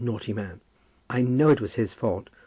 Naughty man! I know it was his fault.